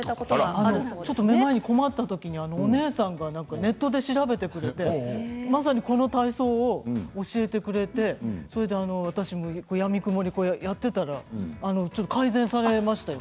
あのちょっとめまいに困った時にお姉さんがネットで調べてくれてまさにこの体操を教えてくれてそれで私もやみくもにこうやってたらちょっと改善されましたよ。